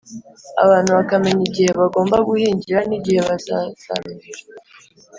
abantu bakamenya igihe bagomba guhingira n'igihe bazasarurira.